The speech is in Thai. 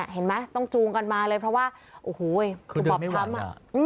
เห็นไหมต้องจูงกันมาเลยเพราะว่าโอ้โหคือบอบช้ำ